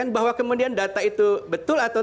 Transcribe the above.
bahwa kemudian data itu betul atau